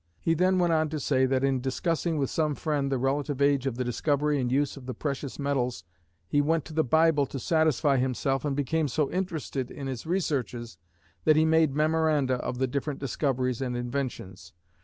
He then went on to say that in discussing with some friend the relative age of the discovery and use of the precious metals he went to the Bible to satisfy himself and became so interested in his researches that he made memoranda of the different discoveries and inventions.